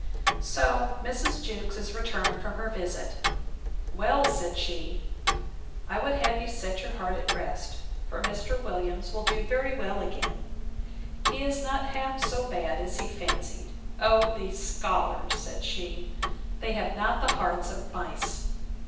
So, Mrs. Jewkes is returned from her visit: Well, said she, I would have you set your heart at rest; for Mr. Williams will do very well again. He is not half so bad as he fancied. O these scholars, said she, they have not the hearts of mice!